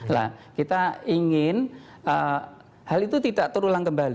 nah kita ingin hal itu tidak terulang kembali